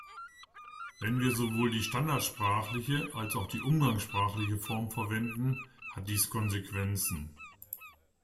Wenn wir sowohl die standardsprachliche als auch die umgangssprachliche Form verwenden, hat dies Konsequenzen.